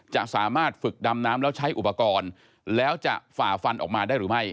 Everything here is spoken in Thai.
จะสามารถฝึกดำน้ำแล้วใช้อุปกรณ์แล้วจะฝ่าฟันออกมาได้หรือไม่